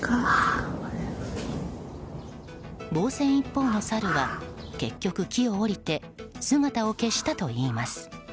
防戦一方のサルは結局、木を下りて姿を消したといいます。